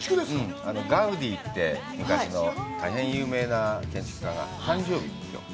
ガウディって昔の大変有名な建築家の誕生日、きょう。